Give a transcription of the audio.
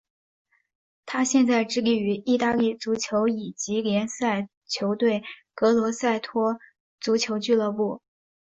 他现在效力于意大利足球乙级联赛球队格罗瑟托足球俱乐部。